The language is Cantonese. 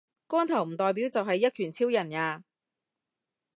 光頭唔代表就係一拳超人呀